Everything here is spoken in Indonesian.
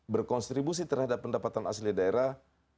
berkontribusi terhadap pendapatan asli daerah